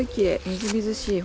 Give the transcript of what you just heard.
みずみずしい。